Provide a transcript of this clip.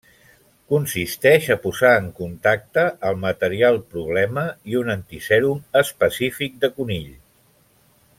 Consisteix a posar en contacte el material problema i un antisèrum específic de conill.